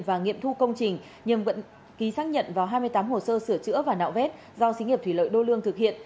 và nghiệm thu công trình nhiệm vận ký xác nhận vào hai mươi tám hồ sơ sửa chữa và nạo vết do sinh nghiệp thủy lợi đô lương thực hiện